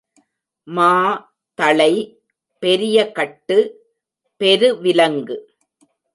மா தளை—பெரிய கட்டு—பெருவிலங்கு.